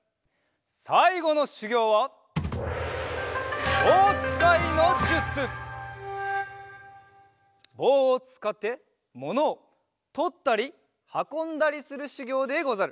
さいごのしゅぎょうはぼうをつかってものをとったりはこんだりするしゅぎょうでござる。